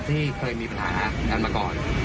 ที่เคยมีภาระการณ์มาก่อน